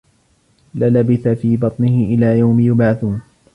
للبث في بطنه إلى يوم يبعثون